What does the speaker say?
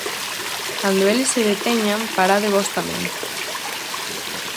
Cando eles se deteñan, parade vós tamén.